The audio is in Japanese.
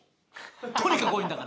とにかく多いんだから。